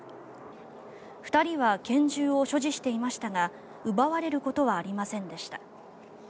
２人は拳銃を所持していましたが奪われることはありませんでした。